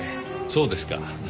そうですか。